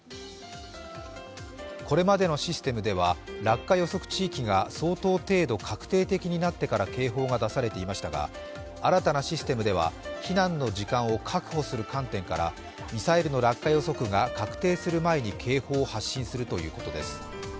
これまでのシステムでは、落下予測地域が相当程度確定的になってから警報が出されていましたが、新たなシステムでは避難の時間を確保する観点からミサイルの落下予測が確定する前に警報を発信するということです。